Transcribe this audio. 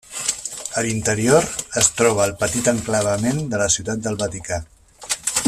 A l'interior es troba el petit enclavament de la Ciutat del Vaticà.